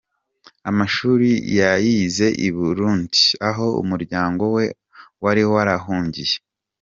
Amashuri yayize i Burundi aho umuryango we wari warahungiye.